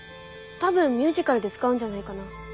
多分ミュージカルで使うんじゃないかな。